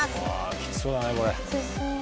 きつそうだねこれ。